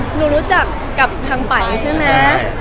หนูรู้จักกับทางป่ายใช่มั้ย